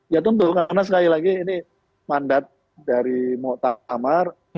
ya tentu karena sekali lagi ini mandat dari muktamar